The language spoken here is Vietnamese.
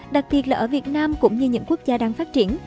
đặc biệt là ở việt nam cũng như những quốc gia đang phát triển